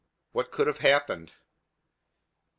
What could have happened?